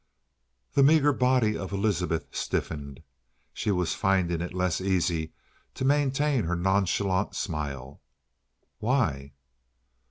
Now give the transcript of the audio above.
The meager body of Elizabeth stiffened. She was finding it less easy to maintain her nonchalant smile. "Why?"